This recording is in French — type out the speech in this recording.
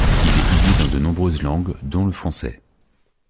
Il est publié dans de nombreuses langues dont le français.